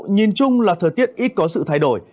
nhìn chung là thời tiết ít có sự thay đổi